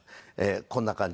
こんな感じで。